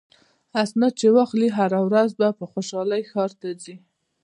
اسناد چې واخلي هره ورځ په خوشحالۍ ښار ته ځي.